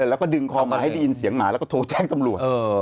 แล้วก็ดึงคอมาให้ได้ยินเสียงหมาแล้วก็โทรแจ้งตำรวจ